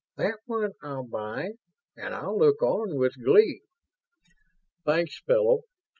"That one I'll buy, and I'll look on with glee." "Thanks, fellow."